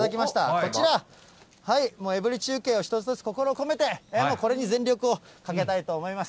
こちら、エブリィ中継を一つ一つ心を込めて、これも全力にかけたいと思います。